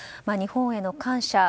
日本への感謝